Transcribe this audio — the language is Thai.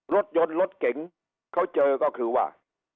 รถยนต์รถเก๋งเขาเจอก็คือว่า